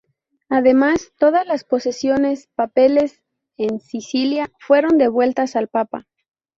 Además, todas las posesiones papales en Sicilia fueron devueltas al papa.